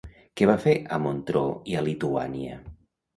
Què va fer a Montreux i a Lituània?